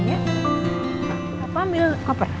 apa ambil koper